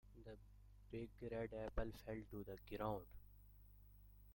The big red apple fell to the ground.